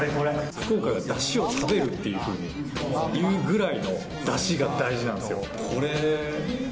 福岡はダシを食べるっていうふうに言うぐらいのダシが大事なんですよ。